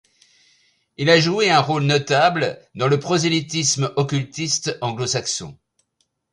Il a joué un rôle notable dans le prosélytisme occultiste anglo-saxon.